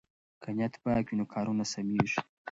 که نیت پاک وي نو کارونه سمېږي.